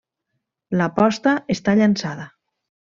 L'aposta està llançada.